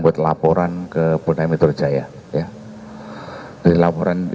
tahan dulu tahan